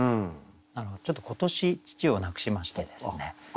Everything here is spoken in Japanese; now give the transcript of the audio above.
ちょっと今年父を亡くしましてですね